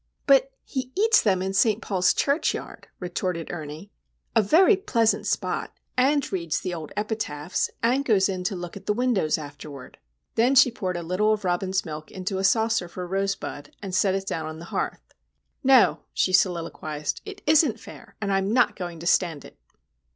"But he eats them in St. Paul's churchyard," retorted Ernie. "A very pleasant spot. And reads the old epitaphs, and goes in to look at the windows afterward." Then she poured a little of Robin's milk into a saucer for Rosebud, and set it down on the hearth. "No," she soliloquised. "It isn't fair, and I'm not going to stand it."